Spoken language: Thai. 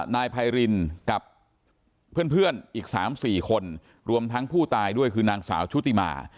นายไพรินกับเพื่อนอีก๓๔คนรวมทั้งผู้ตายด้วยคือนางสาวชุติมา